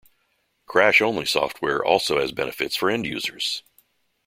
Crash-only software also has benefits for end-users.